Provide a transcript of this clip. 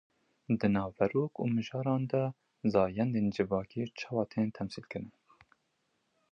Di naverok û mijaran de zayendên civakî çawa tên temsîlkirin?